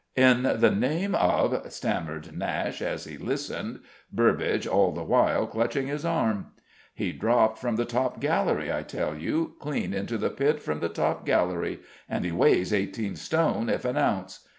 "In the name of " stammered Nashe, as he listened, Burbage all the while clutching his arm. "He dropped from the top gallery, I tell you clean into the pit from the top gallery and he weighs eighteen stone if an ounce.